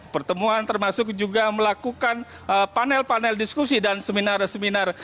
pertemuan termasuk juga melakukan panel panel diskusi dan seminar seminar